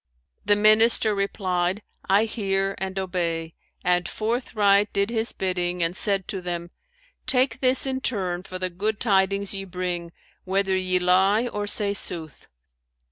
The minister replied, 'I hear and obey,' and forthright did his bidding and said to them, 'Take this in turn for the good tidings ye bring, whether ye lie or say sooth.'